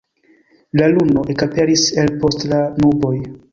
La luno ekaperis el post la nuboj.